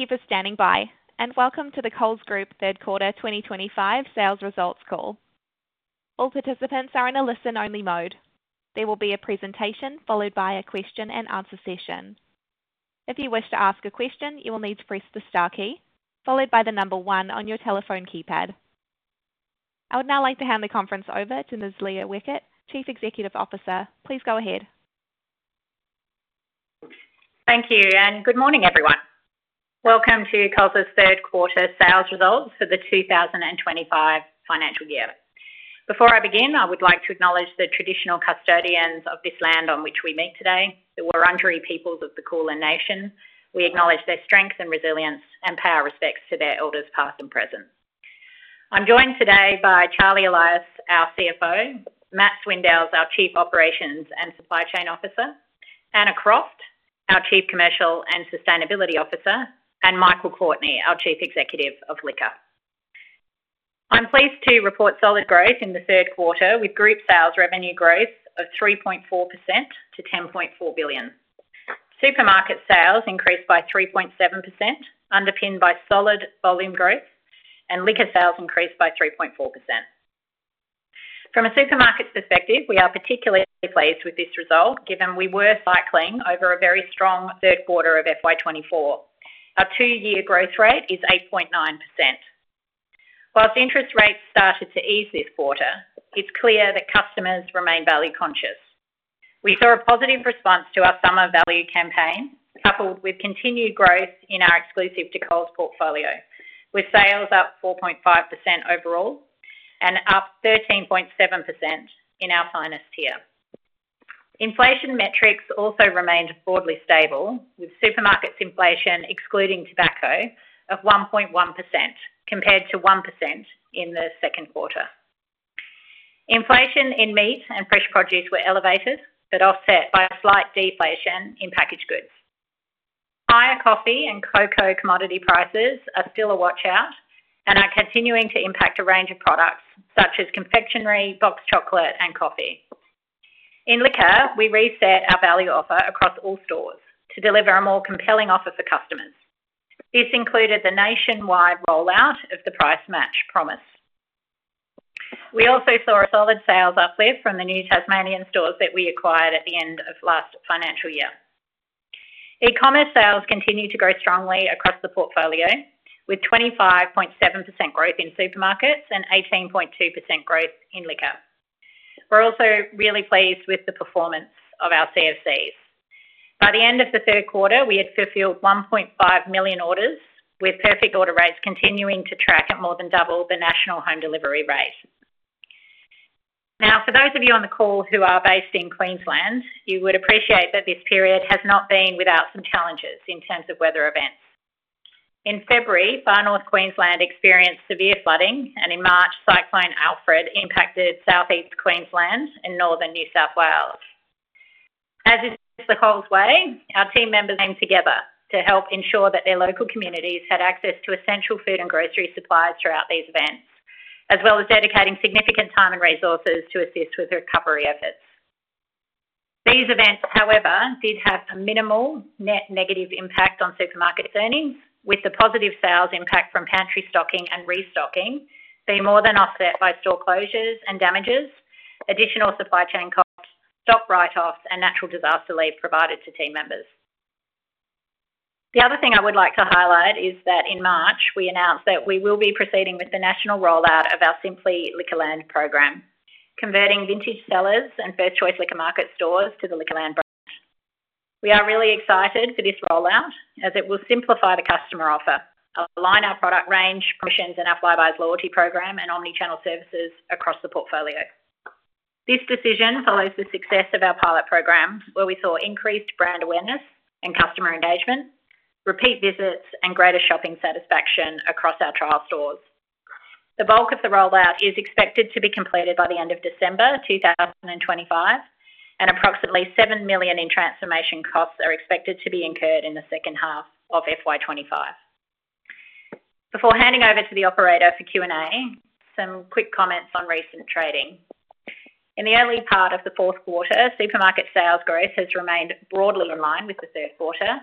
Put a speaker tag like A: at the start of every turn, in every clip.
A: Thank you for standing by, and welcome to the Coles Group Third Quarter 2025 Sales Results Call. All participants are in a listen-only mode. There will be a presentation followed by a question-and-answer session. If you wish to ask a question, you will need to press the star key, followed by the number one on your telephone keypad. I would now like to hand the conference over to Ms. Leah Weckert, Chief Executive Officer. Please go ahead.
B: Thank you, and good morning, everyone. Welcome to Coles' Third Quarter Sales Results for the 2025 financial year. Before I begin, I would like to acknowledge the traditional custodians of this land on which we meet today, the Wurundjeri peoples of the Kulin Nation. We acknowledge their strength and resilience, and pay our respects to their elders past and present. I'm joined today by Charlie Elias, our CFO, Matt Swindells, our Chief Operations and Supply Chain Officer, Anna Croft, our Chief Commercial and Sustainability Officer, and Michael Courtney, our Chief Executive of Liquor. I'm pleased to report solid growth in the third quarter, with group sales revenue growth of 3.4% to 10.4 billion. Supermarket sales increased by 3.7%, underpinned by solid volume growth, and liquor sales increased by 3.4%. From a supermarket perspective, we are particularly pleased with this result, given we were cycling over a very strong third quarter of FY 2024. Our two-year growth rate is 8.9%. Whilst interest rates started to ease this quarter, it's clear that customers remain value-conscious. We saw a positive response to our summer value campaign, coupled with continued growth in our Exclusive to Coles portfolio, with sales up 4.5% overall and up 13.7% in our Finest tier. Inflation metrics also remained broadly stable, with supermarkets' inflation, excluding tobacco, of 1.1%, compared to 1% in the second quarter. Inflation in meat and fresh produce were elevated but offset by a slight deflation in packaged goods. Higher coffee and cocoa commodity prices are still a watch-out and are continuing to impact a range of products such as confectionery, boxed chocolate, and coffee. In liquor, we reset our value offer across all stores to deliver a more compelling offer for customers. This included the nationwide rollout of the Price Match Promise. We also saw a solid sales uplift from the new Tasmanian stores that we acquired at the end of last financial year. ECommerce sales continue to grow strongly across the portfolio, with 25.7% growth in supermarkets and 18.2% growth in liquor. We're also really pleased with the performance of our CFCs. By the end of the third quarter, we had fulfilled 1.5 million orders, with perfect order rates continuing to track at more than double the national home delivery rate. Now, for those of you on the call who are based in Queensland, you would appreciate that this period has not been without some challenges in terms of weather events. In February, Far North Queensland experienced severe flooding, and in March, Cyclone Alfred impacted South East Queensland and Northern New South Wales. As is the Coles way, our team members came together to help ensure that their local communities had access to essential food and grocery supplies throughout these events, as well as dedicating significant time and resources to assist with recovery efforts. These events, however, did have a minimal net negative impact on supermarkets' earnings, with the positive sales impact from pantry stocking and restocking being more than offset by store closures and damages, additional supply chain costs, stock write-offs, and natural disaster leave provided to team members. The other thing I would like to highlight is that in March, we announced that we will be proceeding with the national rollout of our Simply Liquorland program, converting Vintage Cellars and First Choice Liquor Market stores to the Liquorland brand. We are really excited for this rollout, as it will simplify the customer offer, align our product range, commissions, and our Flybuys loyalty program, and omnichannel services across the portfolio. This decision follows the success of our pilot program, where we saw increased brand awareness and customer engagement, repeat visits, and greater shopping satisfaction across our trial stores. The bulk of the rollout is expected to be completed by the end of December 2025, and approximately 7 million in transformation costs are expected to be incurred in the second half of FY 2025. Before handing over to the operator for Q&A, some quick comments on recent trading. In the early part of the fourth quarter, supermarket sales growth has remained broadly in line with the third quarter,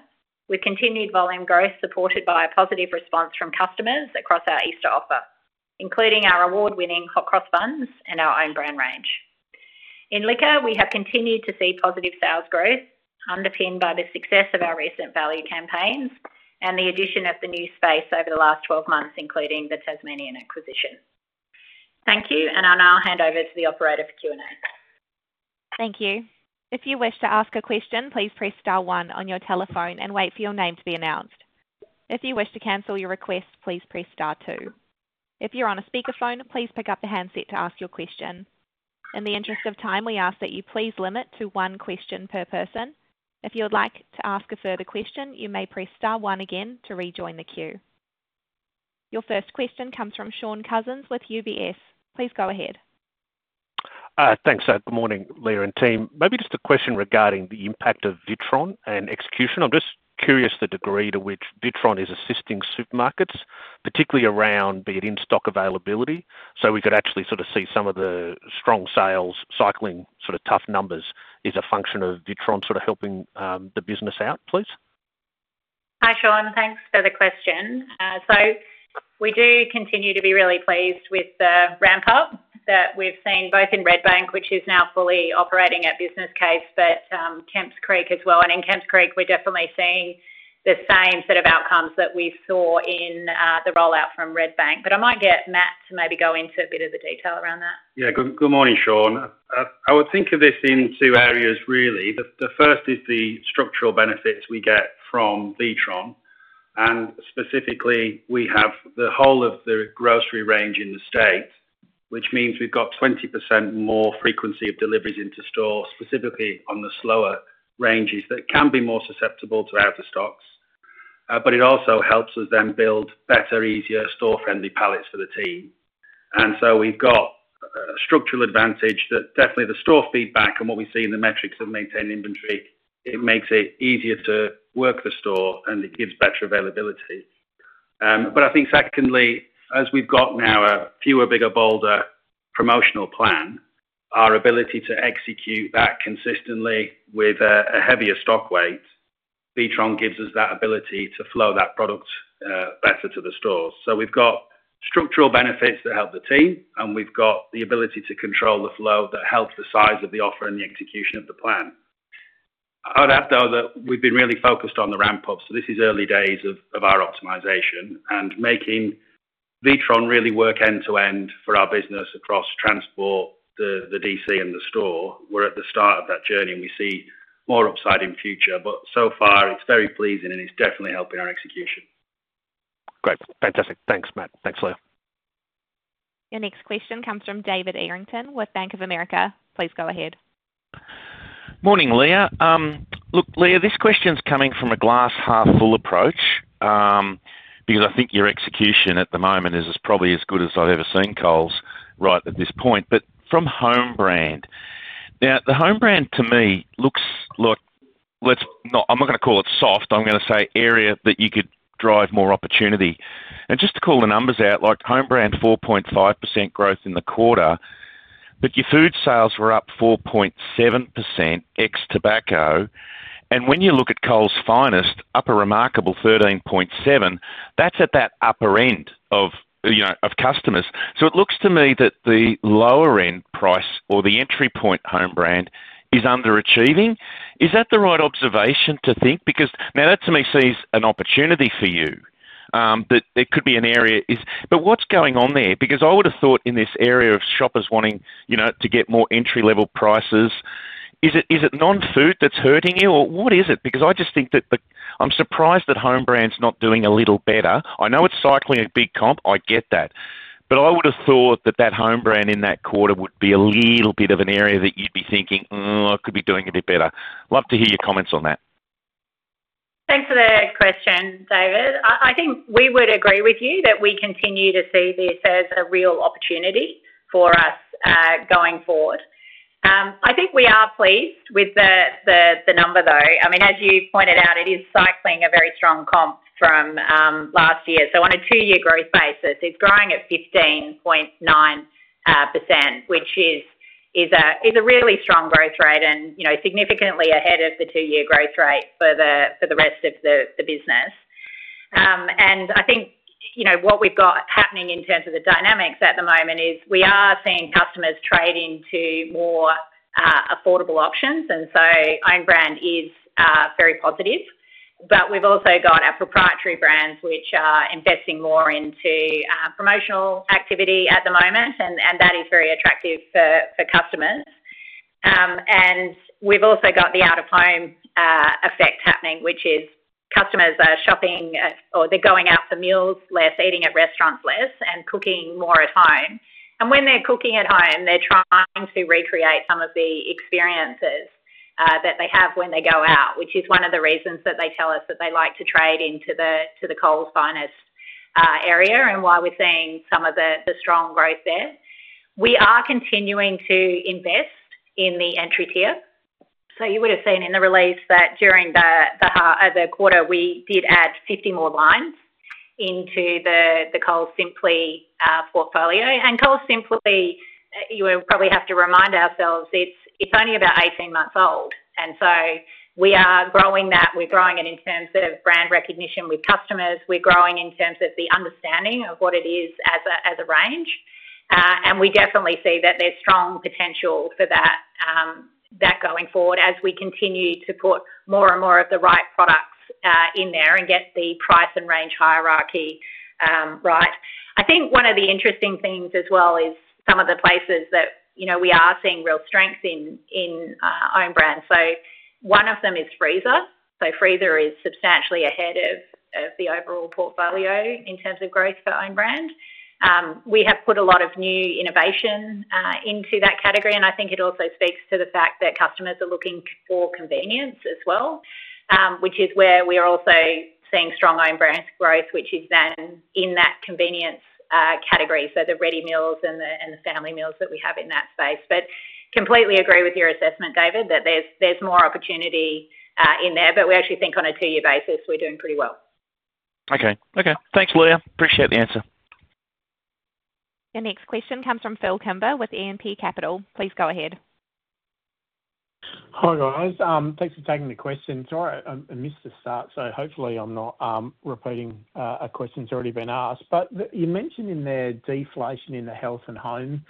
B: with continued volume growth supported by a positive response from customers across our Easter offer, including our award-winning hot cross buns and our Own Brand range. In Liquor, we have continued to see positive sales growth, underpinned by the success of our recent value campaigns and the addition of the new space over the last 12 months, including the Tasmanian acquisition. Thank you, and I'll now hand over to the operator for Q&A.
A: Thank you. If you wish to ask a question, please press star one on your telephone and wait for your name to be announced. If you wish to cancel your request, please press star two. If you're on a speakerphone, please pick up the handset to ask your question. In the interest of time, we ask that you please limit to one question per person. If you would like to ask a further question, you may press star one again to rejoin the queue. Your first question comes from Shaun Cousins with UBS. Please go ahead.
C: Thanks, Sarah. Good morning, Leah and team. Maybe just a question regarding the impact of WITRON and execution. I'm just curious the degree to which WITRON is assisting supermarkets, particularly around be it in-stock availability. We could actually sort of see some of the strong sales cycling sort of tough numbers is a function of WITRON sort of helping the business out, please?
B: Hi, Shaun. Thanks for the question. We do continue to be really pleased with the ramp-up that we've seen both in Redbank, which is now fully operating at business case, and Kemps Creek as well. In Kemps Creek, we're definitely seeing the same set of outcomes that we saw in the rollout from Redbank. I might get Matt to maybe go into a bit of the detail around that.
D: Yeah, good morning, Shaun. I would think of this in two areas, really. The first is the structural benefits we get from WITRON. Specifically, we have the whole of the grocery range in the state, which means we've got 20% more frequency of deliveries into stores, specifically on the slower ranges that can be more susceptible to out-of-stocks. It also helps us then build better, easier, store-friendly pallets for the team. We have a structural advantage that definitely the store feedback and what we see in the metrics of maintaining inventory, it makes it easier to work the store and it gives better availability. I think secondly, as we've got now a fewer bigger bolder promotional plan, our ability to execute that consistently with a heavier stock weight, WITRON gives us that ability to flow that product better to the stores. We have structural benefits that help the team, and we have the ability to control the flow that helps the size of the offer and the execution of the plan. I'd add, though, that we've been really focused on the ramp-up, so this is early days of our optimisation, and making WITRON really work end-to-end for our business across transport, the DC, and the store. We are at the start of that journey, and we see more upside in future. So far, it is very pleasing, and it is definitely helping our execution.
C: Great. Fantastic. Thanks, Matt. Thanks, Leah.
A: Your next question comes from David Errington with Bank of America. Please go ahead.
E: Morning, Leah. Look, Leah, this question's coming from a glass-half-full approach because I think your execution at the moment is probably as good as I've ever seen Coles right at this point. But from home brand, now, the home brand to me looks like I'm not going to call it soft. I'm going to say area that you could drive more opportunity. And just to call the numbers out, like home brand, 4.5% growth in the quarter, but your food sales were up 4.7% ex-tobacco. And when you look at Coles Finest, up a remarkable 13.7%, that's at that upper end of customers. So it looks to me that the lower-end price or the entry point home brand is underachieving. Is that the right observation to think? Because now that to me sees an opportunity for you that there could be an area. But what's going on there? Because I would have thought in this area of shoppers wanting to get more entry-level prices, is it non-food that's hurting you, or what is it? I just think that I'm surprised that home brand's not doing a little better. I know it's cycling a big comp. I get that. I would have thought that that home brand in that quarter would be a little bit of an area that you'd be thinking, "I could be doing a bit better." Love to hear your comments on that.
B: Thanks for the question, David. I think we would agree with you that we continue to see this as a real opportunity for us going forward. I think we are pleased with the number, though. I mean, as you pointed out, it is cycling a very strong comp from last year. On a two-year growth basis, it is growing at 15.9%, which is a really strong growth rate and significantly ahead of the two-year growth rate for the rest of the business. I think what we have got happening in terms of the dynamics at the moment is we are seeing customers trade into more affordable options. Own Brand is very positive. We have also got our proprietary brands, which are investing more into promotional activity at the moment, and that is very attractive for customers. We have also got the out-of-home effect happening, which is customers are shopping or they are going out for meals less, eating at restaurants less, and cooking more at home. When they are cooking at home, they are trying to recreate some of the experiences that they have when they go out, which is one of the reasons that they tell us that they like to trade into the Coles Finest area and why we are seeing some of the strong growth there. We are continuing to invest in the entry tier. You would have seen in the release that during the quarter, we did add 50 more lines into the Coles Simply portfolio. Coles Simply, you would probably have to remind ourselves, is only about 18 months old. We are growing that. We are growing it in terms of brand recognition with customers. We're growing in terms of the understanding of what it is as a range. We definitely see that there's strong potential for that going forward as we continue to put more and more of the right products in there and get the price and range hierarchy right. I think one of the interesting things as well is some of the places that we are seeing real strength in Own Brand. One of them is freezer. Freezer is substantially ahead of the overall portfolio in terms of growth for Own Brand. We have put a lot of new innovation into that category, and I think it also speaks to the fact that customers are looking for convenience as well, which is where we are also seeing strong Own Brand growth, which is then in that convenience category, so the ready meals and the family meals that we have in that space. I completely agree with your assessment, David, that there is more opportunity in there. We actually think on a two-year basis, we are doing pretty well.
E: Okay. Okay. Thanks, Leah. Appreciate the answer.
A: Your next question comes from Phil Kimber with E&P Capital. Please go ahead.
F: Hi guys. Thanks for taking the question. Sorry, I missed the start, so hopefully I'm not repeating a question that's already been asked. You mentioned in there deflation in the health and home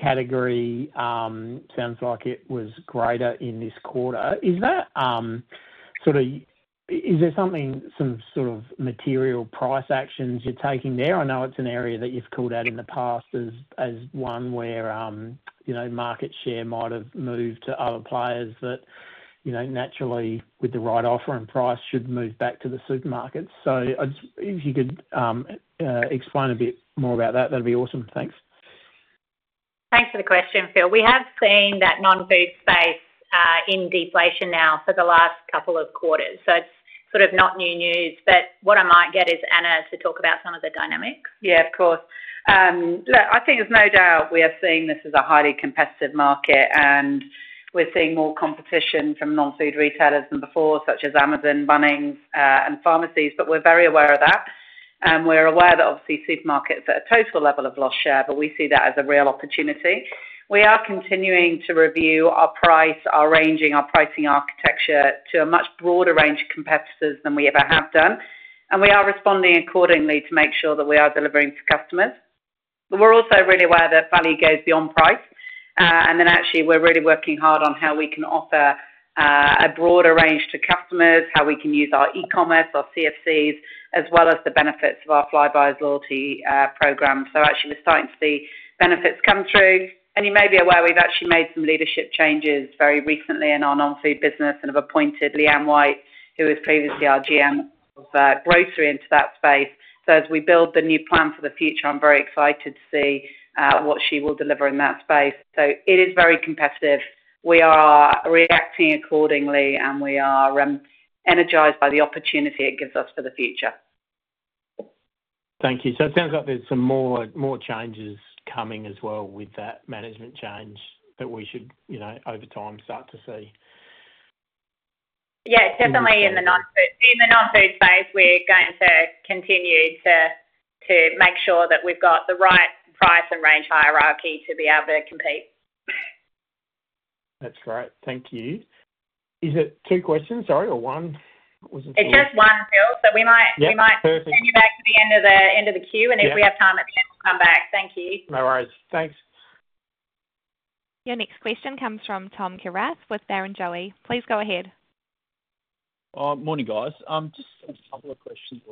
F: category sounds like it was greater in this quarter. Is that sort of is there some sort of material price actions you're taking there? I know it's an area that you've called out in the past as one where market share might have moved to other players that naturally, with the right offer and price, should move back to the supermarkets. If you could explain a bit more about that, that'd be awesome. Thanks.
B: Thanks for the question, Phil. We have seen that non-food space in deflation now for the last couple of quarters. It is sort of not new news. What I might get is Anna to talk about some of the dynamics.
G: Yeah, of course. Look, I think there's no doubt we are seeing this as a highly competitive market, and we're seeing more competition from non-food retailers than before, such as Amazon, Bunnings, and pharmacies. We are very aware of that. We are aware that obviously supermarkets are at a total level of loss share, but we see that as a real opportunity. We are continuing to review our price, our ranging, our pricing architecture to a much broader range of competitors than we ever have done. We are responding accordingly to make sure that we are delivering to customers. We are also really aware that value goes beyond price. Actually, we are really working hard on how we can offer a broader range to customers, how we can use our eCommerce, our CFCs, as well as the benefits of our Flybuys loyalty program. Actually, we're starting to see benefits come through. You may be aware, we've actually made some leadership changes very recently in our non-food business and have appointed Leanne White, who was previously our GM of grocery, into that space. As we build the new plan for the future, I'm very excited to see what she will deliver in that space. It is very competitive. We are reacting accordingly, and we are energized by the opportunity it gives us for the future.
F: Thank you. It sounds like there's some more changes coming as well with that management change that we should, over time, start to see.
B: Yeah, definitely in the non-food space, we're going to continue to make sure that we've got the right price and range hierarchy to be able to compete.
F: That's great. Thank you. Is it two questions, sorry, or one? What was the question?
B: It's just one, Phil. We might send you back to the end of the queue. If we have time at the end, we'll come back. Thank you.
F: No worries. Thanks.
A: Your next question comes from Tom Kierath with Barrenjoey. Please go ahead.
H: Morning, guys. Just a couple of questions.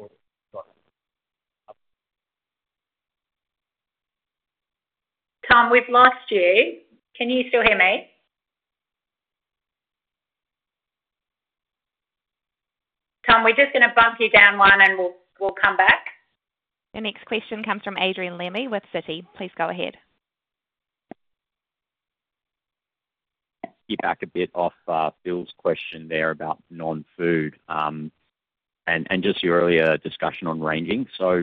B: Tom, we've lost you. Can you still hear me? Tom, we're just going to bump you down one, and we'll come back.
A: Your next question comes from Adrian Lemme with Citi. Please go ahead.
I: Thank you. Back a bit off Phil's question there about non-food and just your earlier discussion on ranging. I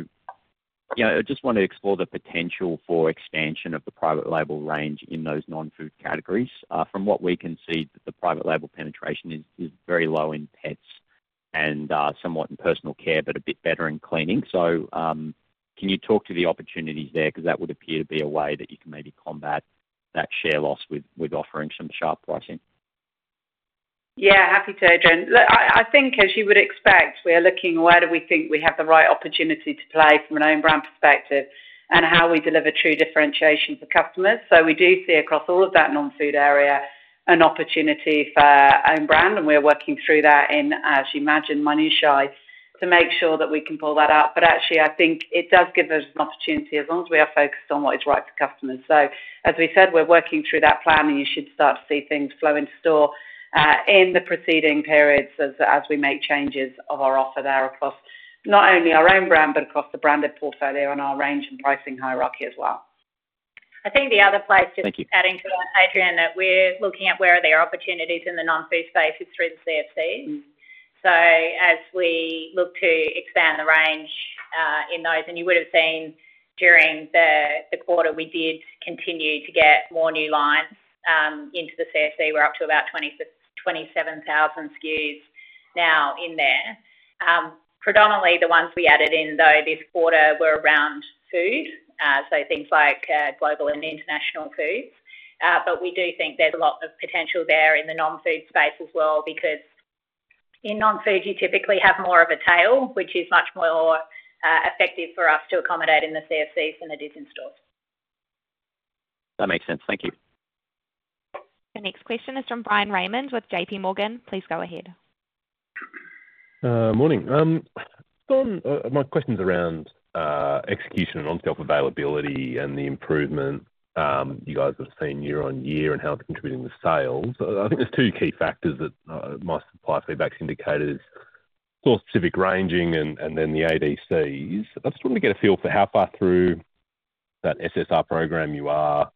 I: just want to explore the potential for expansion of the private label range in those non-food categories. From what we can see, the private label penetration is very low in pets and somewhat in personal care, but a bit better in cleaning. Can you talk to the opportunities there? That would appear to be a way that you can maybe combat that share loss with offering some sharp pricing.
G: Yeah, happy to, Adrian. Look, I think, as you would expect, we are looking where do we think we have the right opportunity to play from an Own Brand perspective and how we deliver true differentiation for customers. We do see across all of that non-food area an opportunity for Own Brand. We are working through that in, as you imagine, minutiae, to make sure that we can pull that up. Actually, I think it does give us an opportunity as long as we are focused on what is right for customers. As we said, we're working through that plan, and you should start to see things flow into store in the preceding periods as we make changes of our offer there across not only our Own Brand, but across the branded portfolio and our range and pricing hierarchy as well. I think the other place, just adding to that, Adrian, that we're looking at where are there opportunities in the non-food space is through the CFC. As we look to expand the range in those, and you would have seen during the quarter, we did continue to get more new lines into the CFC. We're up to about 27,000 SKUs now in there. Predominantly, the ones we added in, though, this quarter were around food, so things like global and international foods. We do think there's a lot of potential there in the non-food space as well because in non-food, you typically have more of a tail, which is much more effective for us to accommodate in the CFCs than it is in stores.
I: That makes sense. Thank you.
A: Your next question is from Bryan Raymond with JPMorgan. Please go ahead.
J: Morning. My question's around execution and on-shelf availability and the improvement you guys have seen year on year and how it's contributing to sales. I think there's two key factors that my supply feedback indicators: store-specific ranging and then the ADCs. I just want to get a feel for how far through that SSR program you are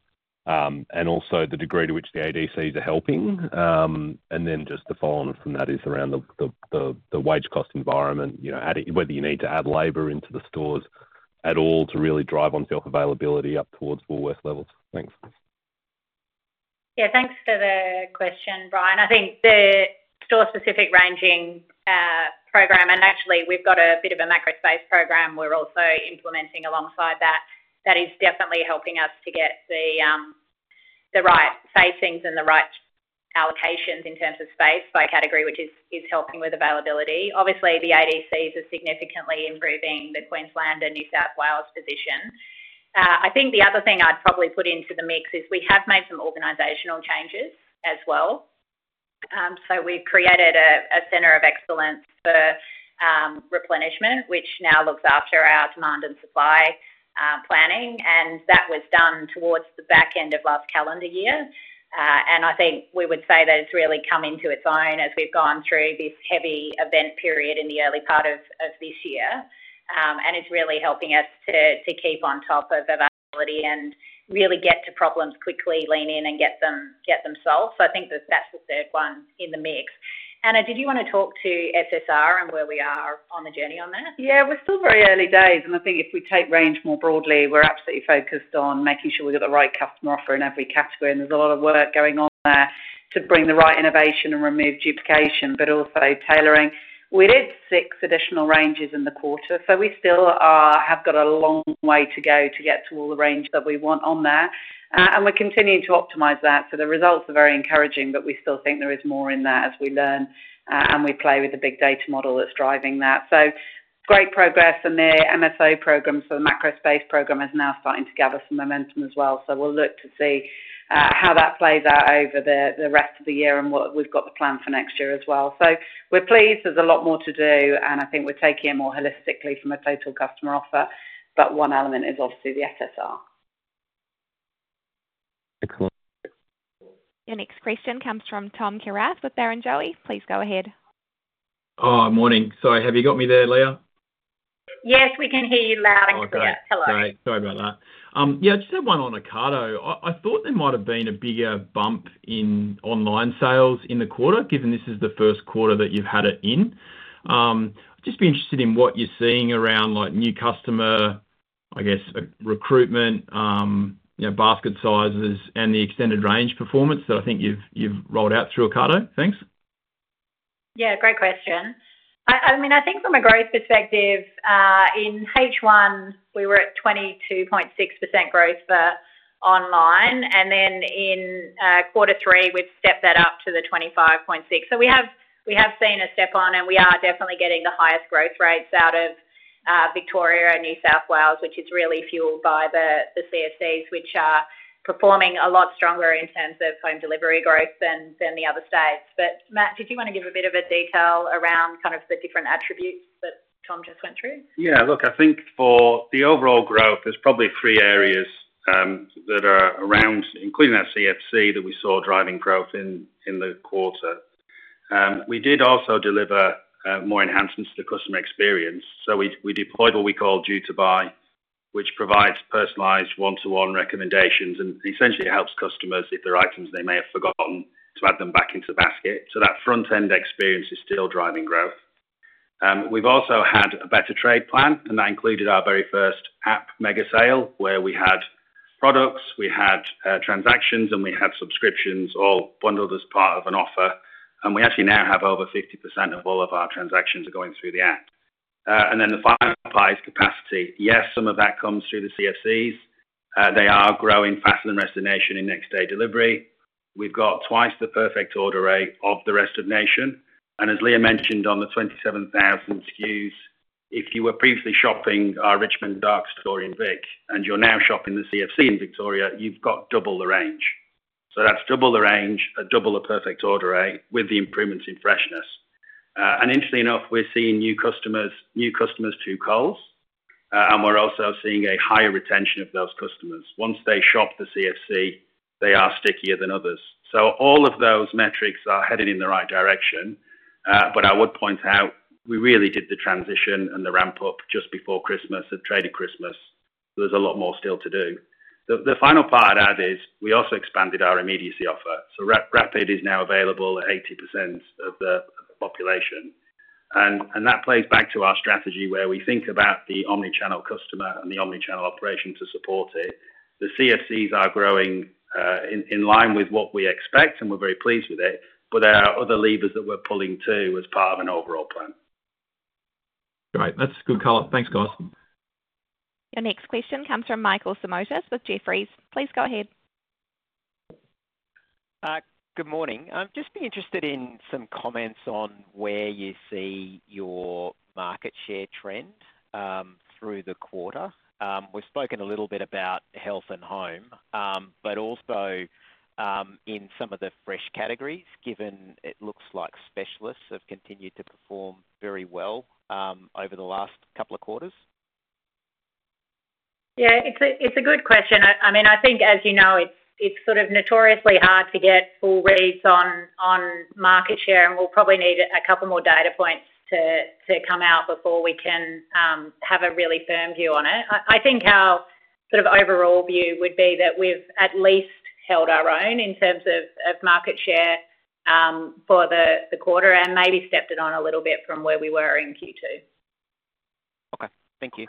J: and also the degree to which the ADCs are helping. Just the following from that is around the wage cost environment, whether you need to add labour into the stores at all to really drive on-shelf availability up towards more worst levels. Thanks.
B: Yeah, thanks for the question, Bryan. I think the store-specific ranging program, and actually, we've got a bit of a macro space program we're also implementing alongside that, that is definitely helping us to get the right spacings and the right allocations in terms of space by category, which is helping with availability. Obviously, the ADCs are significantly improving the Queensland and New South Wales position. I think the other thing I'd probably put into the mix is we have made some organisational changes as well. We have created a Centre of Excellence for Replenishment, which now looks after our demand and supply planning. That was done towards the back end of last calendar year. I think we would say that it's really come into its own as we've gone through this heavy event period in the early part of this year. It is really helping us to keep on top of availability and really get to problems quickly, lean in, and get them solved. I think that is the third one in the mix. Anna, did you want to talk to SSR and where we are on the journey on that?
G: Yeah, we're still very early days. I think if we take range more broadly, we're absolutely focused on making sure we've got the right customer offer in every category. There's a lot of work going on there to bring the right innovation and remove duplication, but also tailoring. We did six additional ranges in the quarter, so we still have got a long way to go to get to all the range that we want on there. We're continuing to optimize that. The results are very encouraging, but we still think there is more in there as we learn and we play with the big data model that's driving that. Great progress. The MSO program for the macro space program is now starting to gather some momentum as well. We will look to see how that plays out over the rest of the year and what we have to plan for next year as well. We are pleased. There is a lot more to do. I think we are taking it more holistically from a total customer offer. One element is obviously the SSR.
J: Excellent.
A: Your next question comes from Tom Kierath with Barrenjoey. Please go ahead.
H: Morning. Sorry, have you got me there, Leah?
B: Yes, we can hear you loud and clear.
H: All right. Sorry about that. Yeah, I just had one on Ocado. I thought there might have been a bigger bump in online sales in the quarter, given this is the first quarter that you've had it in. I'd just be interested in what you're seeing around new customer, I guess, recruitment, basket sizes, and the extended range performance that I think you've rolled out through Ocado. Thanks.
B: Yeah, great question. I mean, I think from a growth perspective, in H1, we were at 22.6% growth for online. In quarter three, we've stepped that up to 25.6%. We have seen a step on, and we are definitely getting the highest growth rates out of Victoria and New South Wales, which is really fueled by the CFCs, which are performing a lot stronger in terms of home delivery growth than the other states. Matt, did you want to give a bit of a detail around kind of the different attributes that Tom just went through?
D: Yeah. Look, I think for the overall growth, there's probably three areas that are around, including that CFC that we saw driving growth in the quarter. We did also deliver more enhancements to the customer experience. We deployed what we call Due to Buy, which provides personalized one-to-one recommendations and essentially helps customers if there are items they may have forgotten to add them back into the basket. That front-end experience is still driving growth. We've also had a better trade plan, and that included our very first app mega sale where we had products, we had transactions, and we had subscriptions all bundled as part of an offer. We actually now have over 50% of all of our transactions going through the app. The final pie is capacity. Yes, some of that comes through the CFCs. They are growing faster than the rest of the nation in next-day delivery. We have got twice the perfect order rate of the rest of the nation. As Leah mentioned, on the 27,000 SKUs, if you were previously shopping our Richmond Dark Store in VIC and you are now shopping the CFC in Victoria, you have got double the range. That is double the range, double the perfect order rate with the improvements in freshness. Interestingly enough, we are seeing new customers to Coles, and we are also seeing a higher retention of those customers. Once they shop the CFC, they are stickier than others. All of those metrics are headed in the right direction. I would point out we really did the transition and the ramp up just before Christmas and trading Christmas. There is a lot more still to do. The final part I'd add is we also expanded our immediacy offer. Rapid is now available at 80% of the population. That plays back to our strategy where we think about the omnichannel customer and the omnichannel operation to support it. The CFCs are growing in line with what we expect, and we're very pleased with it. There are other levers that we're pulling too as part of an overall plan.
H: Great. That's good colour. Thanks, guys.
A: Your next question comes from Michael Simotas with Jefferies. Please go ahead.
K: Good morning. I'm just being interested in some comments on where you see your market share trend through the quarter. We've spoken a little bit about health and home, but also in some of the fresh categories, given it looks like specialists have continued to perform very well over the last couple of quarters.
B: Yeah, it's a good question. I mean, I think, as you know, it's sort of notoriously hard to get full reads on market share, and we'll probably need a couple more data points to come out before we can have a really firm view on it. I think our sort of overall view would be that we've at least held our own in terms of market share for the quarter and maybe stepped it on a little bit from where we were in Q2.
K: Okay. Thank you.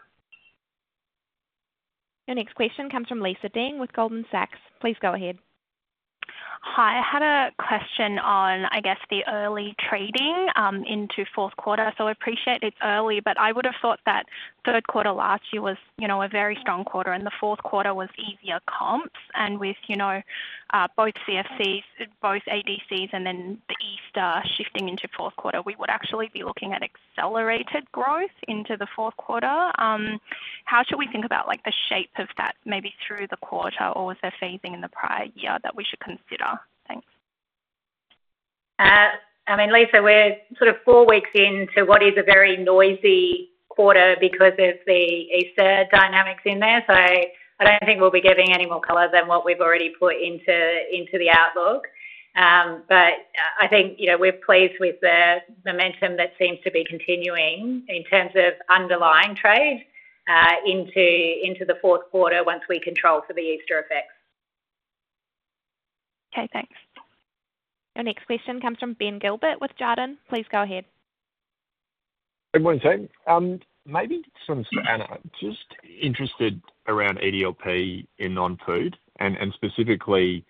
A: Your next question comes from Lisa Deng with Goldman Sachs. Please go ahead.
L: Hi. I had a question on, I guess, the early trading into fourth quarter. I appreciate it's early, but I would have thought that third quarter last year was a very strong quarter, and the fourth quarter was easier comps. With both CFCs, both ADCs, and then the Easter shifting into fourth quarter, we would actually be looking at accelerated growth into the fourth quarter. How should we think about the shape of that maybe through the quarter or the phasing in the prior year that we should consider? Thanks.
B: I mean, Lisa, we're sort of four weeks into what is a very noisy quarter because of the Easter dynamics in there. I don't think we'll be giving any more colour than what we've already put into the outlook. I think we're pleased with the momentum that seems to be continuing in terms of underlying trade into the fourth quarter once we control for the Easter effects.
L: Okay. Thanks.
A: Your next question comes from Ben Gilbert with Jarden. Please go ahead.
M: Good morning. Maybe just from Anna, just interested around EDLP in non-food and specifically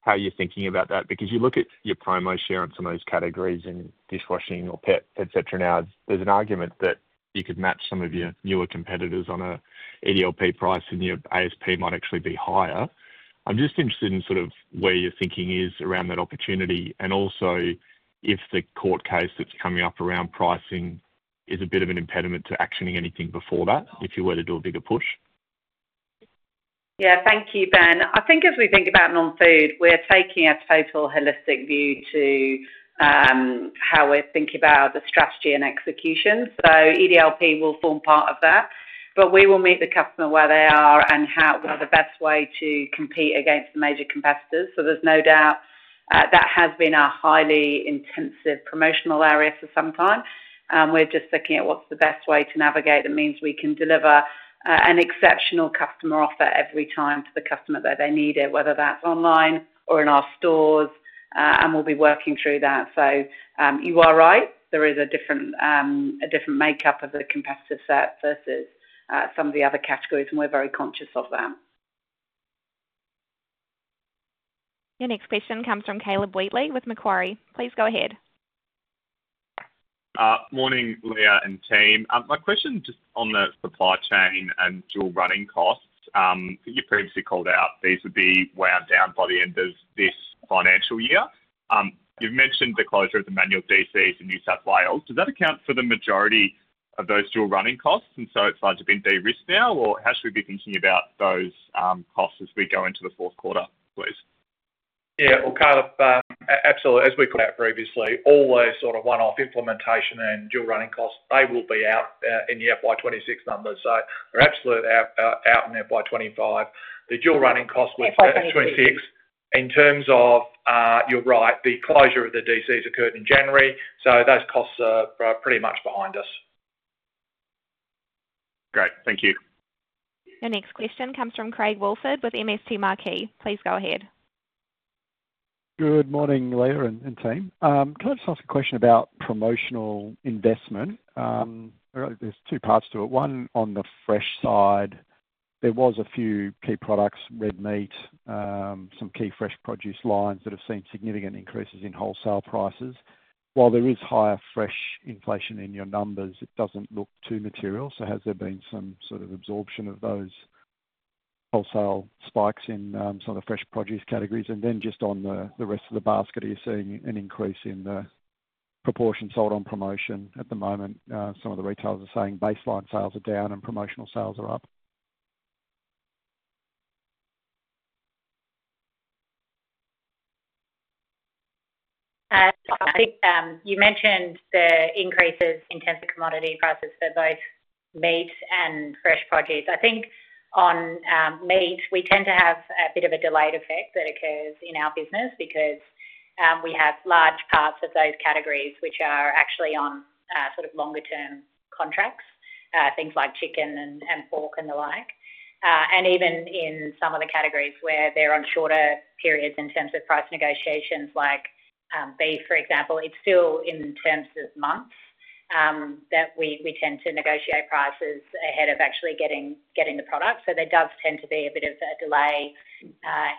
M: how you're thinking about that. Because you look at your promo share on some of those categories in dishwashing or pet, etc. Now, there's an argument that you could match some of your newer competitors on an EDLP price, and your ASP might actually be higher. I'm just interested in sort of where your thinking is around that opportunity and also if the court case that's coming up around pricing is a bit of an impediment to actioning anything before that if you were to do a bigger push.
G: Yeah. Thank you, Ben. I think as we think about non-food, we're taking a total holistic view to how we're thinking about the strategy and execution. EDLP will form part of that. We will meet the customer where they are and the best way to compete against the major competitors. There is no doubt that has been our highly intensive promotional area for some time. We're just looking at what's the best way to navigate that means we can deliver an exceptional customer offer every time to the customer that they need it, whether that's online or in our stores. We'll be working through that. You are right. There is a different makeup of the competitor set versus some of the other categories, and we're very conscious of that.
A: Your next question comes from Caleb Wheatley with Macquarie. Please go ahead.
N: Morning, Leah and team. My question just on the supply chain and dual running costs. You previously called out these would be wound down by the end of this financial year. You have mentioned the closure of the manual DCs in New South Wales. Does that account for the majority of those dual running costs? Is it hard to be de-risked now, or how should we be thinking about those costs as we go into the fourth quarter, please?
D: Yeah. Caleb, absolutely. As we put out previously, all those sort of one-off implementation and dual running costs, they will be out in the FY 2026 numbers. They are absolutely out in FY 2025. The dual running costs were set between six. In terms of, you're right, the closure of the DCs occurred in January. Those costs are pretty much behind us.
N: Great. Thank you.
A: Your next question comes from Craig Woolford with MST Marquee. Please go ahead.
O: Good morning, Leah and team. Can I just ask a question about promotional investment? There are two parts to it. One on the fresh side, there were a few key products, red meat, some key fresh produce lines that have seen significant increases in wholesale prices. While there is higher fresh inflation in your numbers, it does not look too material. Has there been some sort of absorption of those wholesale spikes in some of the fresh produce categories? On the rest of the basket, are you seeing an increase in the proportion sold on promotion at the moment? Some of the retailers are saying baseline sales are down and promotional sales are up.
B: I think you mentioned the increases in terms of commodity prices for both meat and fresh produce. I think on meat, we tend to have a bit of a delayed effect that occurs in our business because we have large parts of those categories which are actually on sort of longer-term contracts, things like chicken and pork and the like. Even in some of the categories where they're on shorter periods in terms of price negotiations like beef, for example, it's still in terms of months that we tend to negotiate prices ahead of actually getting the product. There does tend to be a bit of a delay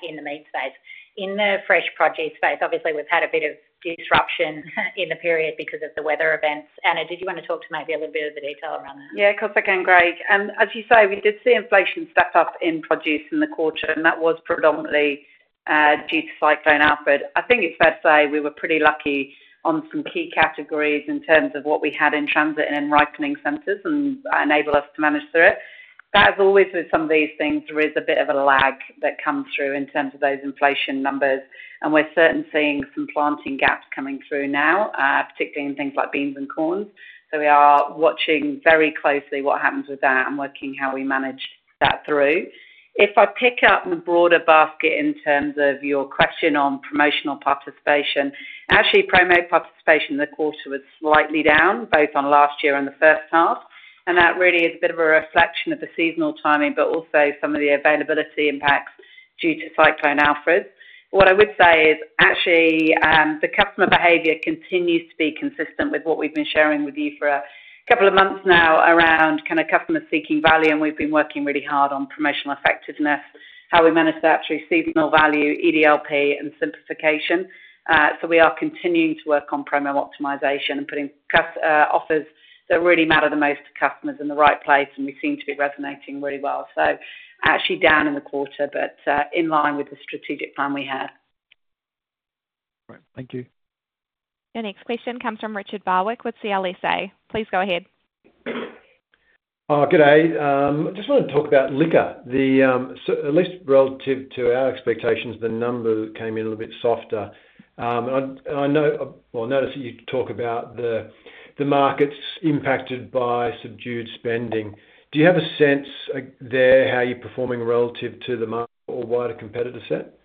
B: in the meat space. In the fresh produce space, obviously, we've had a bit of disruption in the period because of the weather events. Anna, did you want to talk to maybe a little bit of the detail around that?
G: Yeah, of course. Again, Craig. As you say, we did see inflation step up in produce in the quarter, and that was predominantly due to Cyclone Alfred. I think it's fair to say we were pretty lucky on some key categories in terms of what we had in transit and in ripening centers and enabled us to manage through it. As always with some of these things, there is a bit of a lag that comes through in terms of those inflation numbers. We're certainly seeing some planting gaps coming through now, particularly in things like beans and corn. We are watching very closely what happens with that and working how we manage that through. If I pick up the broader basket in terms of your question on promotional participation, actually promo participation in the quarter was slightly down, both on last year and the first half. That really is a bit of a reflection of the seasonal timing, but also some of the availability impacts due to Cyclone Alfred. What I would say is actually the customer behaviour continues to be consistent with what we've been sharing with you for a couple of months now around kind of customer-seeking value. We've been working really hard on promotional effectiveness, how we manage that through seasonal value, EDLP, and simplification. We are continuing to work on promo optimisation and putting offers that really matter the most to customers in the right place. We seem to be resonating really well. Actually down in the quarter, but in line with the strategic plan we had.
O: Great. Thank you.
A: Your next question comes from Richard Barwick with CLSA. Please go ahead.
P: Good day. I just want to talk about liquor. At least relative to our expectations, the number came in a little bit softer. I noticed that you talk about the markets impacted by subdued spending. Do you have a sense there how you're performing relative to the market or wider competitor set?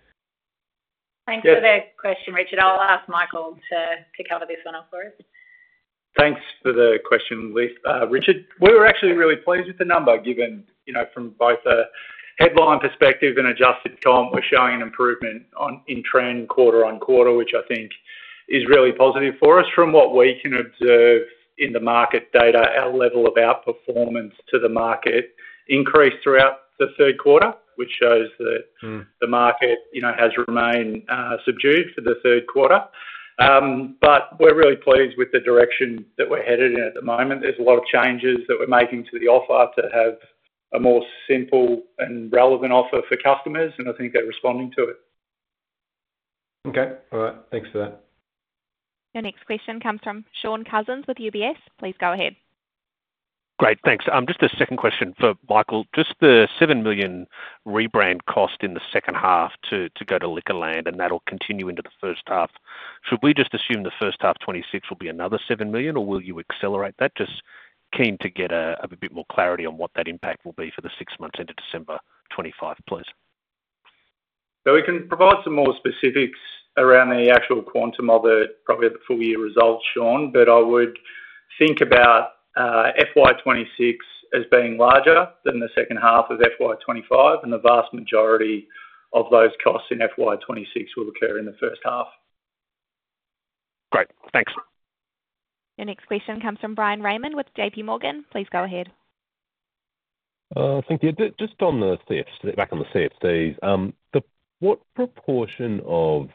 B: Thanks for the question, Richard. I'll ask Michael to cover this one for us.
Q: Thanks for the question, Richard. We were actually really pleased with the number given from both a headline perspective and adjusted comp, we're showing an improvement in trend quarter on quarter, which I think is really positive for us. From what we can observe in the market data, our level of outperformance to the market increased throughout the third quarter, which shows that the market has remained subdued for the third quarter. We are really pleased with the direction that we're headed in at the moment. There are a lot of changes that we're making to the offer to have a more simple and relevant offer for customers. I think they're responding to it.
P: Okay. All right. Thanks for that.
A: Your next question comes from Shaun Cousins with UBS. Please go ahead.
C: Great. Thanks. Just a second question for Michael. Just the 7 million rebrand cost in the second half to go to Liquorland, and that'll continue into the first half. Should we just assume the first half 2026 will be another 7 million, or will you accelerate that? Just keen to get a bit more clarity on what that impact will be for the six months into December 2025, please.
Q: We can provide some more specifics around the actual quantum of it, probably at the full year results, Shaun, but I would think about FY 2026 as being larger than the second half of FY 2025, and the vast majority of those costs in FY 2026 will occur in the first half.
C: Great. Thanks.
A: Your next question comes from Bryan Raymond with JPMorgan. Please go ahead.
J: Thank you. Just back on the CFCs, what proportion of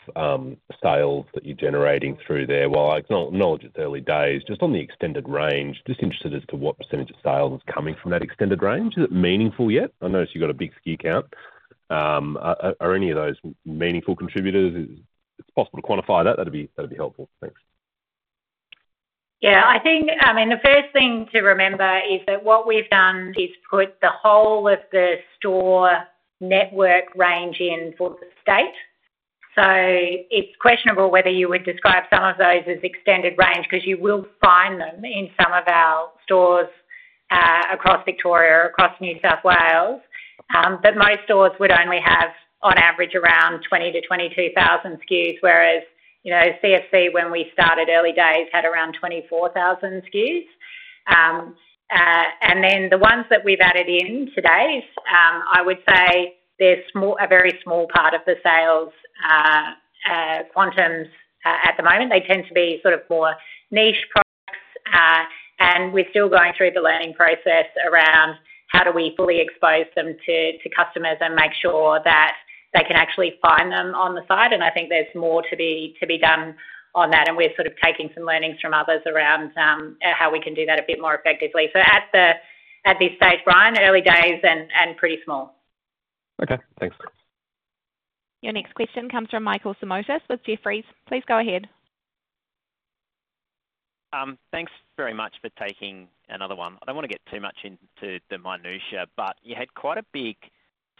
J: sales that you're generating through there? While I acknowledge it's early days, just on the extended range, just interested as to what percentage of sales is coming from that extended range. Is it meaningful yet? I noticed you've got a big SKU count. Are any of those meaningful contributors? It's possible to quantify that. That'd be helpful. Thanks.
B: Yeah. I mean, the first thing to remember is that what we've done is put the whole of the store network range in for the state. It is questionable whether you would describe some of those as extended range because you will find them in some of our stores across Victoria or across New South Wales. Most stores would only have, on average, around 20,000 SKU-22,000 SKUs, whereas CFC, when we started early days, had around 24,000 SKUs. The ones that we've added in today, I would say they're a very small part of the sales quantums at the moment. They tend to be sort of more niche products. We are still going through the learning process around how do we fully expose them to customers and make sure that they can actually find them on the site. I think there's more to be done on that. We're sort of taking some learnings from others around how we can do that a bit more effectively. At this stage, Bryan, early days and pretty small.
J: Okay. Thanks.
A: Your next question comes from Michael Simotas with Jefferies. Please go ahead.
K: Thanks very much for taking another one. I don't want to get too much into the minutia, but you had quite a big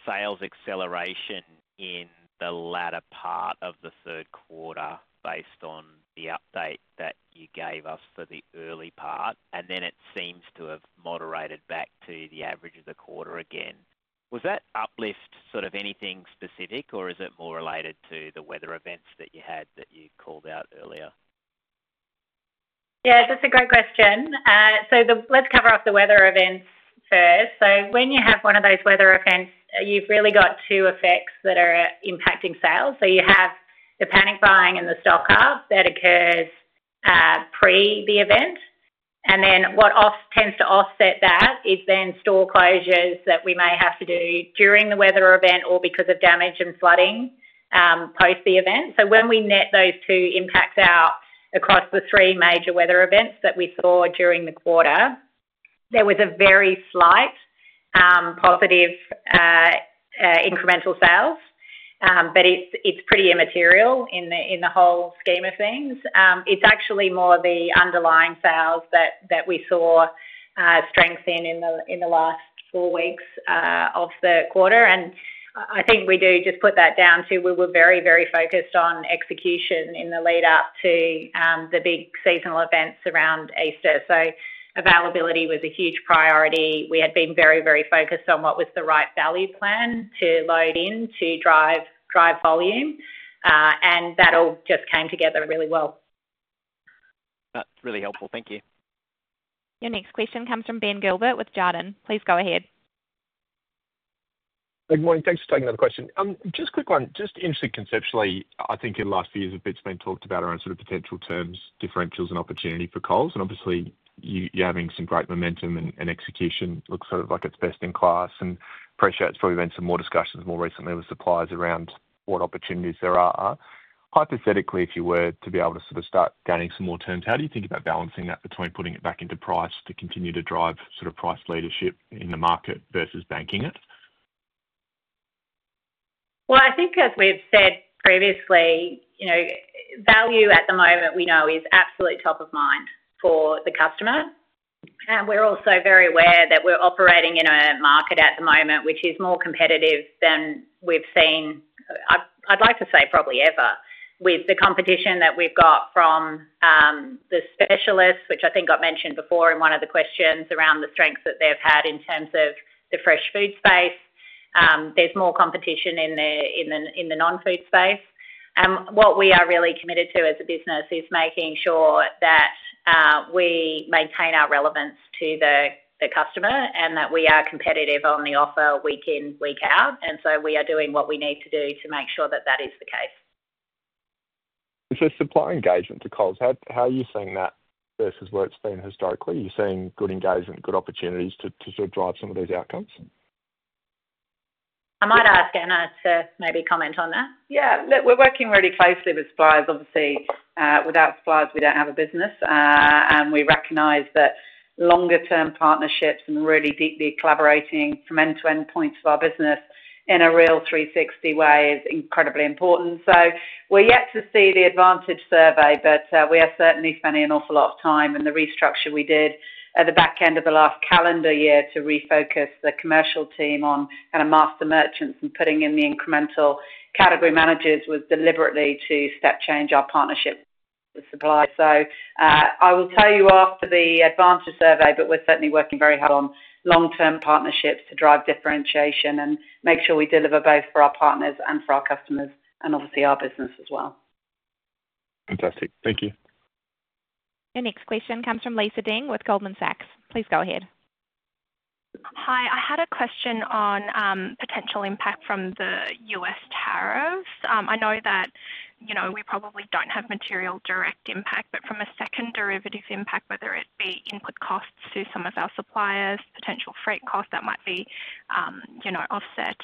K: sales acceleration in the latter part of the third quarter based on the update that you gave us for the early part. It seems to have moderated back to the average of the quarter again. Was that uplift sort of anything specific, or is it more related to the weather events that you had that you called out earlier?
B: Yeah. That's a great question. Let's cover off the weather events first. When you have one of those weather events, you've really got two effects that are impacting sales. You have the panic buying and the stock up that occurs pre the event. What tends to offset that is store closures that we may have to do during the weather event or because of damage and flooding post the event. When we net those two impacts out across the three major weather events that we saw during the quarter, there was a very slight positive incremental sales. It's pretty immaterial in the whole scheme of things. It's actually more the underlying sales that we saw strengthen in the last four weeks of the quarter. I think we do just put that down to we were very, very focused on execution in the lead-up to the big seasonal events around Easter. Availability was a huge priority. We had been very, very focused on what was the right value plan to load in to drive volume. That all just came together really well.
K: That's really helpful. Thank you.
A: Your next question comes from Ben Gilbert with Jarden. Please go ahead.
M: Good morning. Thanks for taking up the question. Just a quick one. Just interesting conceptually, I think in the last few years, a bit's been talked about around sort of potential terms, differentials, and opportunity for Coles. Obviously, you're having some great momentum and execution. It looks sort of like it's best in class. I appreciate it's probably been some more discussions more recently with suppliers around what opportunities there are. Hypothetically, if you were to be able to sort of start gaining some more terms, how do you think about balancing that between putting it back into price to continue to drive sort of price leadership in the market versus banking it?
B: I think as we've said previously, value at the moment we know is absolutely top of mind for the customer. We are also very aware that we're operating in a market at the moment which is more competitive than we've seen, I'd like to say probably ever, with the competition that we've got from the specialists, which I think got mentioned before in one of the questions around the strengths that they've had in terms of the fresh food space. There's more competition in the non-food space. What we are really committed to as a business is making sure that we maintain our relevance to the customer and that we are competitive on the offer week in, week out. We are doing what we need to do to make sure that that is the case.
M: Supply engagement to Coles, how are you seeing that versus where it's been historically? Are you seeing good engagement, good opportunities to sort of drive some of these outcomes?
B: I might ask Anna to maybe comment on that.
G: Yeah. Look, we're working really closely with suppliers. Obviously, without suppliers, we don't have a business. We recognise that longer-term partnerships and really deeply collaborating from end-to-end points of our business in a real 360 way is incredibly important. We're yet to see the Advantage Survey, but we are certainly spending an awful lot of time in the restructure we did at the back end of the last calendar year to refocus the commercial team on kind of master merchants and putting in the incremental category managers was deliberately to step change our partnership with suppliers. I will tell you after the Advantage Survey, but we're certainly working very hard on long-term partnerships to drive differentiation and make sure we deliver both for our partners and for our customers and obviously our business as well.
M: Fantastic. Thank you.
A: Your next question comes from Lisa Deng with Goldman Sachs. Please go ahead.
L: Hi. I had a question on potential impact from the U.S. tariffs. I know that we probably do not have material direct impact, but from a second derivative impact, whether it be input costs to some of our suppliers, potential freight costs that might be offset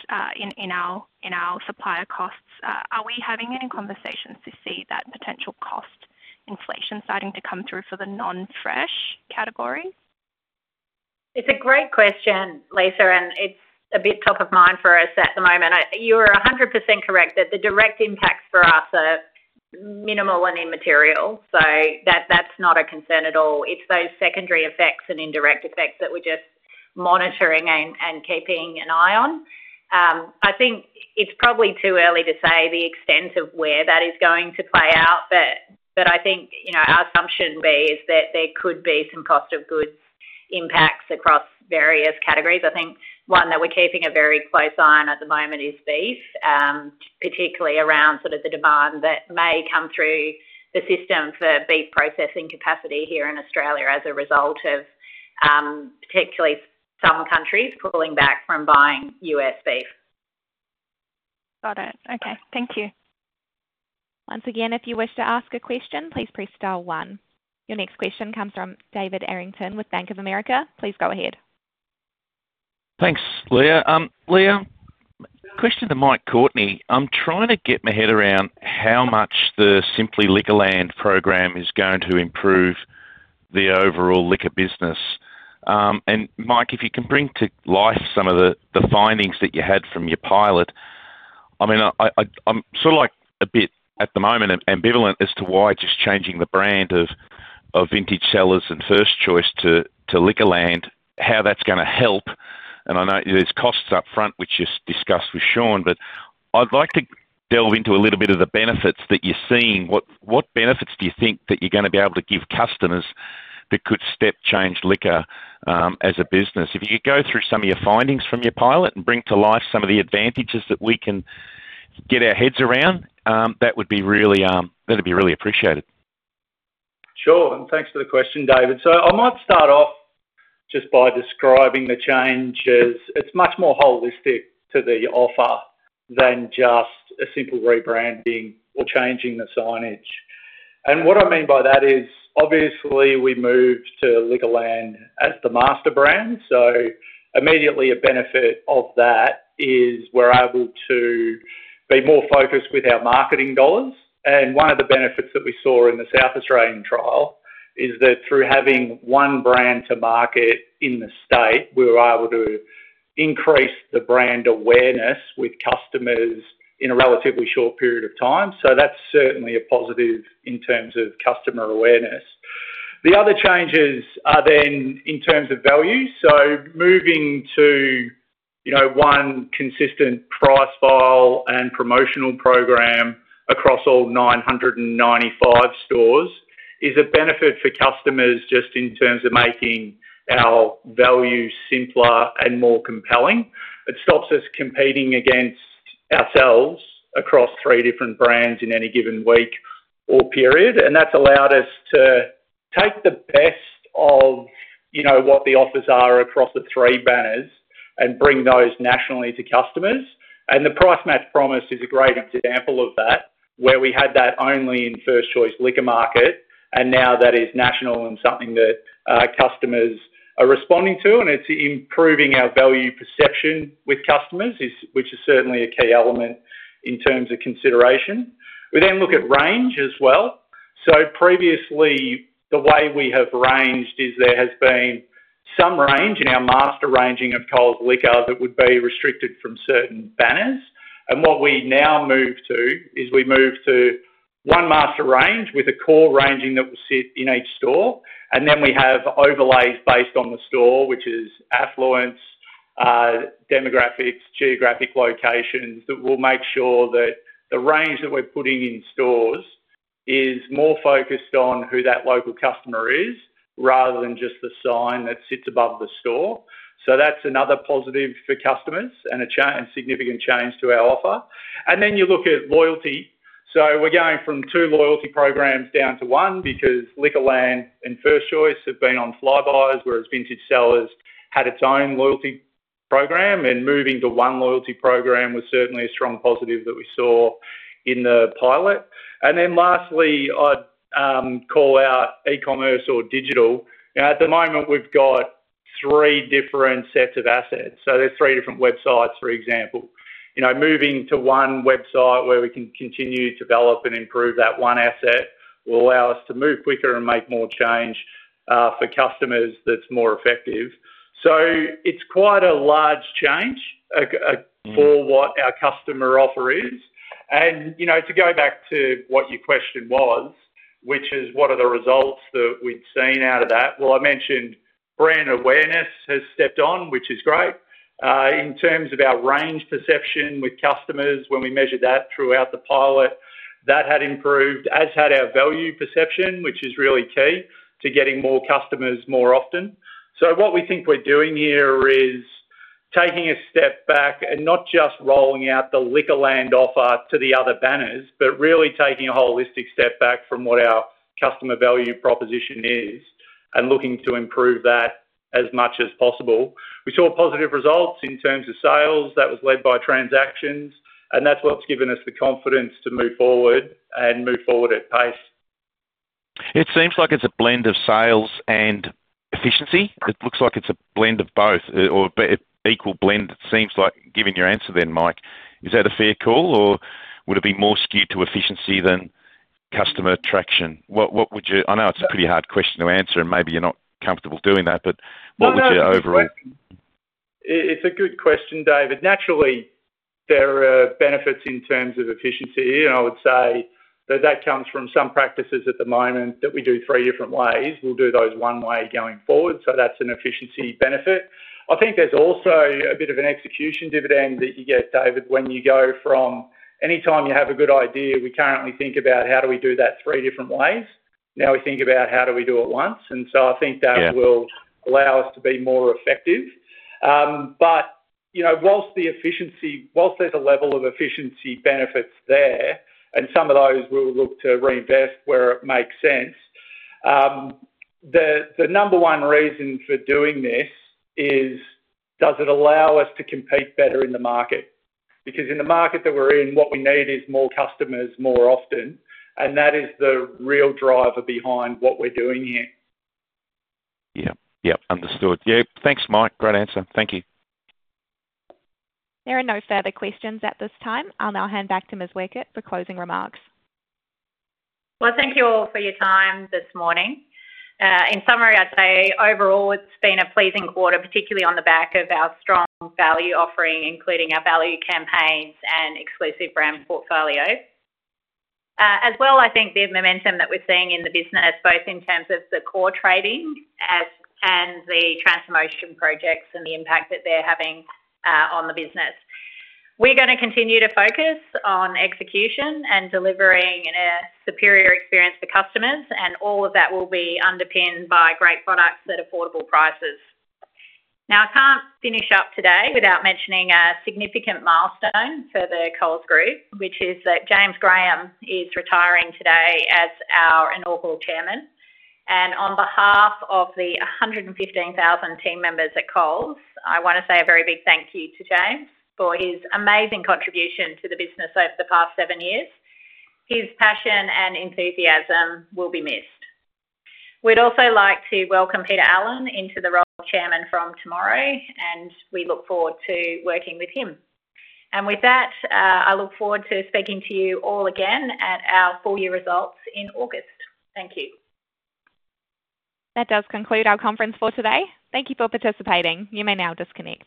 L: in our supplier costs, are we having any conversations to see that potential cost inflation starting to come through for the non-fresh category?
B: It's a great question, Lisa, and it's a bit top of mind for us at the moment. You are 100% correct that the direct impacts for us are minimal and immaterial. That's not a concern at all. It's those secondary effects and indirect effects that we're just monitoring and keeping an eye on. I think it's probably too early to say the extent of where that is going to play out. I think our assumption would be is that there could be some cost of goods impacts across various categories. One that we're keeping a very close eye on at the moment is beef, particularly around sort of the demand that may come through the system for beef processing capacity here in Australia as a result of particularly some countries pulling back from buying US beef.
L: Got it. Okay. Thank you.
A: Once again, if you wish to ask a question, please press star one. Your next question comes from David Errington with Bank of America. Please go ahead.
E: Thanks, Leah. Leah, question to Michael Courtney. I'm trying to get my head around how much the Simply Liquorland program is going to improve the overall liquor business. And Michael, if you can bring to life some of the findings that you had from your pilot, I mean, I'm sort of like a bit at the moment ambivalent as to why just changing the brand of Vintage Cellars and First Choice to Liquorland, how that's going to help. I know there's costs upfront, which you discussed with Shaun, but I'd like to delve into a little bit of the benefits that you're seeing. What benefits do you think that you're going to be able to give customers that could step change liquor as a business? If you could go through some of your findings from your pilot and bring to life some of the advantages that we can get our heads around, that would be really appreciated.
Q: Sure. Thanks for the question, David. I might start off just by describing the change as it's much more holistic to the offer than just a simple rebranding or changing the signage. What I mean by that is, obviously, we moved to Liquorland as the master brand. Immediately, a benefit of that is we're able to be more focused with our marketing dollars. One of the benefits that we saw in the South Australian trial is that through having one brand to market in the state, we were able to increase the brand awareness with customers in a relatively short period of time. That's certainly a positive in terms of customer awareness. The other changes are then in terms of value. Moving to one consistent price file and promotional program across all 995 stores is a benefit for customers just in terms of making our value simpler and more compelling. It stops us competing against ourselves across three different brands in any given week or period. That has allowed us to take the best of what the offers are across the three banners and bring those nationally to customers. The Price Match Promise is a great example of that, where we had that only in First Choice Liquor Market, and now that is national and something that customers are responding to. It is improving our value perception with customers, which is certainly a key element in terms of consideration. We then look at range as well. Previously, the way we have ranged is there has been some range in our master ranging of Coles Liquor that would be restricted from certain banners. What we now move to is we move to one master range with a core ranging that will sit in each store. We have overlays based on the store, which is affluence, demographics, geographic locations that will make sure that the range that we are putting in stores is more focused on who that local customer is rather than just the sign that sits above the store. That is another positive for customers and a significant change to our offer. You look at loyalty. We are going from two loyalty programs down to one because Liquorland and First Choice have been on Flybuys, whereas Vintage Cellars had its own loyalty program. Moving to one loyalty program was certainly a strong positive that we saw in the pilot. Lastly, I'd call out eCommerce or digital. At the moment, we've got three different sets of assets. There are three different websites, for example. Moving to one website where we can continue to develop and improve that one asset will allow us to move quicker and make more change for customers that's more effective. It is quite a large change for what our customer offer is. To go back to what your question was, which is what are the results that we'd seen out of that, I mentioned brand awareness has stepped on, which is great. In terms of our range perception with customers, when we measured that throughout the pilot, that had improved, as had our value perception, which is really key to getting more customers more often. What we think we're doing here is taking a step back and not just rolling out the Liquorland offer to the other banners, but really taking a holistic step back from what our customer value proposition is and looking to improve that as much as possible. We saw positive results in terms of sales. That was led by transactions. That's what's given us the confidence to move forward and move forward at pace.
E: It seems like it's a blend of sales and efficiency. It looks like it's a blend of both or equal blend, it seems like, given your answer then, Mike. Is that a fair call, or would it be more skewed to efficiency than customer traction? I know it's a pretty hard question to answer, and maybe you're not comfortable doing that, but what would your overall?
Q: It's a good question, David. Naturally, there are benefits in terms of efficiency. I would say that that comes from some practices at the moment that we do three different ways. We'll do those one way going forward. That's an efficiency benefit. I think there's also a bit of an execution dividend that you get, David, when you go from any time you have a good idea, we currently think about how do we do that three different ways. Now we think about how do we do it once. I think that will allow us to be more effective. Whilst there's a level of efficiency benefits there, and some of those we will look to reinvest where it makes sense, the number one reason for doing this is does it allow us to compete better in the market? Because in the market that we're in, what we need is more customers more often. That is the real driver behind what we're doing here.
E: Yep. Yep. Understood. Yeah. Thanks, Mike. Great answer. Thank you.
A: There are no further questions at this time. I'll now hand back to Ms. Weckert for closing remarks.
B: Thank you all for your time this morning. In summary, I'd say overall, it's been a pleasing quarter, particularly on the back of our strong value offering, including our value campaigns and exclusive brand portfolio. As well, I think the momentum that we're seeing in the business, both in terms of the core trading and the transformation projects and the impact that they're having on the business. We're going to continue to focus on execution and delivering a superior experience for customers. All of that will be underpinned by great products at affordable prices. Now, I can't finish up today without mentioning a significant milestone for the Coles Group, which is that James Graham is retiring today as our inaugural chairman. On behalf of the 115,000 team members at Coles, I want to say a very big thank you to James for his amazing contribution to the business over the past seven years. His passion and enthusiasm will be missed. We would also like to welcome Peter Allen into the role of chairman from tomorrow, and we look forward to working with him. I look forward to speaking to you all again at our full year results in August. Thank you.
A: That does conclude our conference for today. Thank you for participating. You may now disconnect.